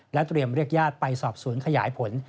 และเตรียมเรียกญาติไปสอบศูนย์ขยายผล